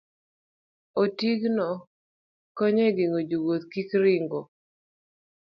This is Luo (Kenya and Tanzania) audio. Oting'no konyo e geng'o jowuoth kik ringo